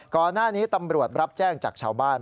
ก่อนหน้านี้ตำรวจรับแจ้งจากชาวบ้าน